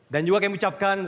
dan juga saya ucapkan